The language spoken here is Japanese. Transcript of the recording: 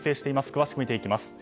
詳しく見ていきます。